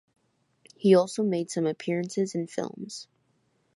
He also made some appearances in films.